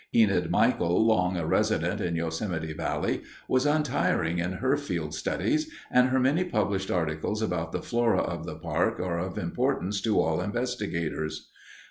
Enid Michael, long a resident in Yosemite Valley, was untiring in her field studies, and her many published articles about the flora of the park are of importance to all investigators.